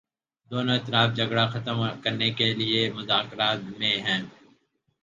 دونوں اطراف جھگڑا ختم کرنے کے لیے مذاکرات میں ہیں